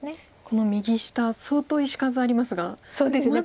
この右下相当石数ありますがまだ眼が。